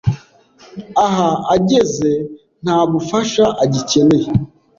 Aha ageze ntabufasha agikeneye.